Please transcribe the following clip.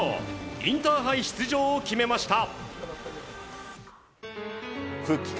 インターハイ出場を決めました。